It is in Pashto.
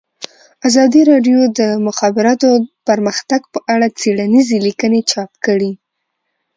ازادي راډیو د د مخابراتو پرمختګ په اړه څېړنیزې لیکنې چاپ کړي.